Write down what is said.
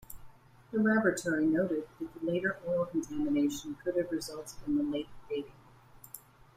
The laboratory noted that later oil contamination could have resulted in the late dating.